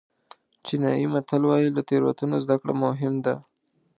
چینایي متل وایي له تېروتنو زده کړه مهم ده.